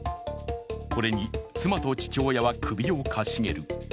これに妻と父親は首をかしげる。